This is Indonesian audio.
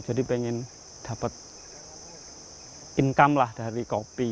jadi pengen dapat income lah dari kopi